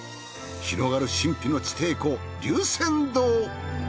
広がる神秘の地底湖龍泉洞。